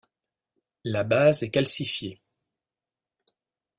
La base est calcifiée.